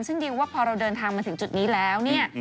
ซึ่งดิวว่าพอเราเดินทางมาถึงจุดนี้แล้วเนี่ย